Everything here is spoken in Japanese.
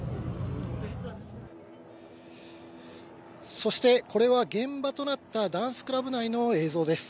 そしてこれは現場となったダンスクラブ内の映像です。